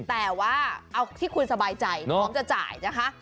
แต่ว่าเอาที่คุณสบายใจพร้อมจะจ่ายนะคะ